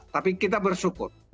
tapi kita bersyukur